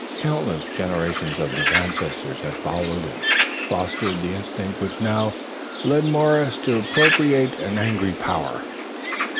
Countless generations of ancestors had followed and fostered the instinct which now led Morris to propitiate an angry power.